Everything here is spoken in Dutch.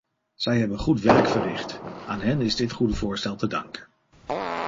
Zij hebben goed werk verricht; aan hen is dit goede voorstel te danken.